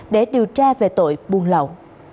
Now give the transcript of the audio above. để điều tra về tội buôn lộn